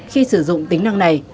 khi sử dụng tính năng này